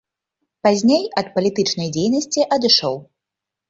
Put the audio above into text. Пазней ад палітычнай дзейнасці адышоў.